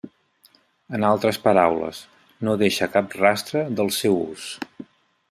En altres paraules, no deixa cap rastre del seu ús.